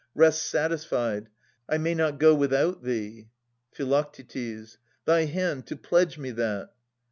Rest satisfied. I may not go without thee. Phi. Thy hand, to pledge me that